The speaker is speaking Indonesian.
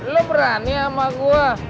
lo berani sama gue